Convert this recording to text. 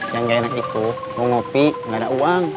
yang gak enak itu mau ngopi nggak ada uang